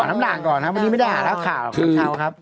เอาน้ำด่างก่อนครับวันนี้ไม่ได้หาแล้วข่าวครับ